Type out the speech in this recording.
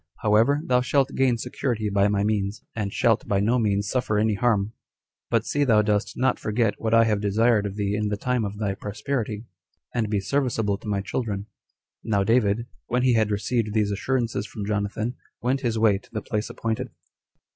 However, thou shalt gain security by my means, and shalt by no means suffer any harm; but see thou dost not forget what I have desired of thee in the time of thy prosperity, and be serviceable to my children." Now David, when he had received these assurances from Jonathan, went his way to the place appointed.